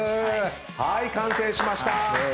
はーい完成しました！